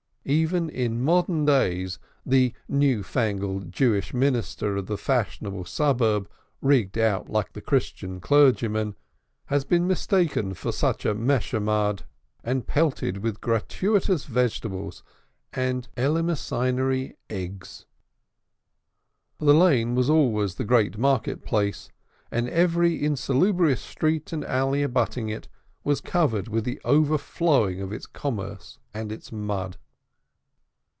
Even in modern days the new fangled Jewish minister of the fashionable suburb, rigged out, like the Christian clergyman, has been mistaken for such a Meshumad, and pelted with gratuitous vegetables and eleemosynary eggs. The Lane was always the great market place, and every insalubrious street and alley abutting on it was covered with the overflowings of its commerce and its mud.